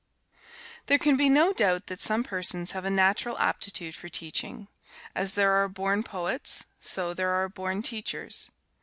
There can be no doubt that some persons have a natural aptitude for teaching. As there are born poets, so there are born teachers.